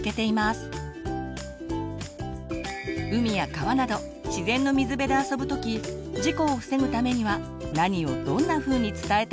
海や川など自然の水辺で遊ぶ時事故を防ぐためには何をどんなふうに伝えたらいいの？